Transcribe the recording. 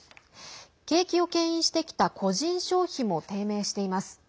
景気をけん引してきた個人消費も低迷しています。